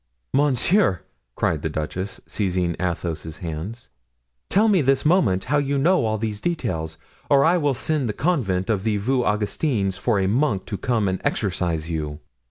"Monsieur!" cried the duchess, seizing Athos's hands, "tell me this moment how you know all these details, or I will send to the convent of the Vieux Augustins for a monk to come and exorcise you."